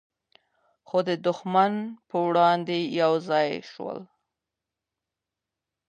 خو د دښمن په وړاندې یو ځای سول.